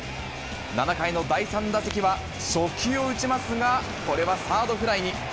７回の第３打席は、初球を打ちますが、これはサードフライに。